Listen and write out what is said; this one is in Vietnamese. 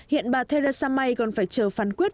hiện bà theresa may còn phải chờ phán quyết